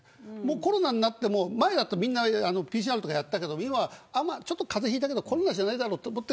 コロナになっても前だとみんなＰＣＲとかやってたけど今は、風邪をひいたけどコロナじゃないだろうと思って